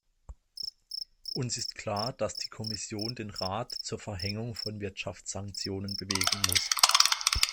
Uns ist klar, dass die Kommission den Rat zur Verhängung von Wirtschaftssanktionen bewegen muss.